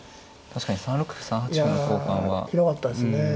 確かに３六歩３八歩の交換は。いやひどかったですね。